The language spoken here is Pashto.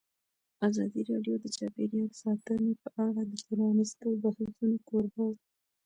ازادي راډیو د چاپیریال ساتنه په اړه د پرانیستو بحثونو کوربه وه.